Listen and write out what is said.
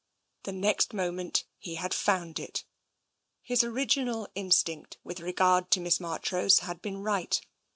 The next moment he had found it. His original instinct with regard to Miss Marchrose had been right.